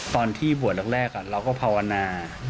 ตอนที่บวชแรกเราก็ภาวนา